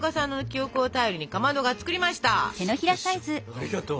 ありがとう！